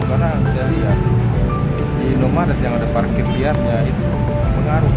karena saya lihat di indomaret yang ada parkir liarnya itu mengaruh